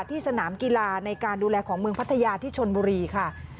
ที่สนามกีฬาในการดูแลของเมืองพัทยาที่ชนบุรีค่ะ